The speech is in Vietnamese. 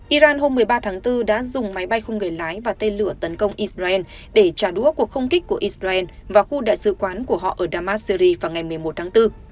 iran hôm một mươi ba tháng bốn đã dùng máy bay không người lái và tên lửa tấn công israel để trả đũa cuộc không kích của israel vào khu đại sứ quán của họ ở damas syri vào ngày một mươi một tháng bốn